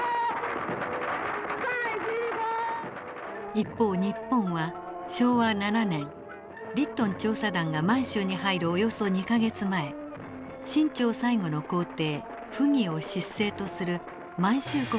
一方日本は昭和７年リットン調査団が満州に入るおよそ２か月前清朝最後の皇帝溥儀を執政とする満州国を建国します。